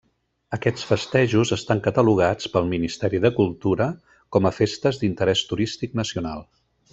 Aquests festejos estan catalogats pel Ministeri de Cultura com a Festes d'Interès Turístic Nacional.